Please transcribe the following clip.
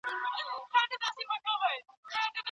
استادانو په غونډه کي د څېړني ارزښت بیان کړ.